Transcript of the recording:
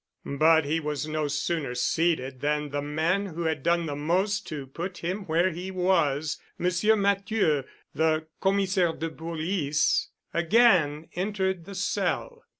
But he was no sooner seated than the man who had done the most to put him where he was, Monsieur Matthieu, the Commissaire de Police, again entered the cell.